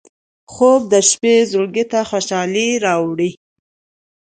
خوب د شپه زړګي ته خوشالي راوړي